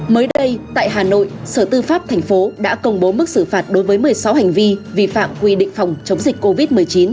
mới đây tại hà nội sở tư pháp thành phố đã công bố mức xử phạt đối với một mươi sáu hành vi vi phạm quy định phòng chống dịch covid một mươi chín